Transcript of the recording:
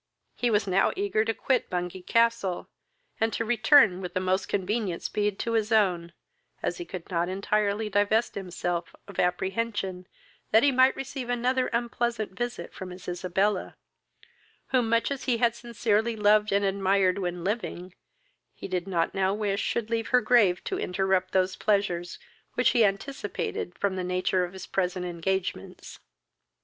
He was now eager to quit Bungay Castle, and to return with the most convenient speed to his own, as he could not entirely divest himself of apprehension, that he might receive another unpleasant visit from his Isabella, whom, much as he had sincerely loved and admired when living, he did not now wish should leave her grave to interrupt those pleasures which he anticipated from the nature of his present engagements.